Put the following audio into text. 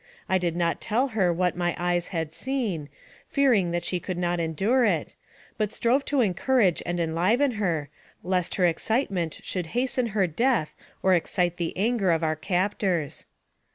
I did not tell her what my eyes had seen, fearing that she could not endure it, but strove to encourage and enliven her, lest her excitement would hasten her death or excite the anger of our captors.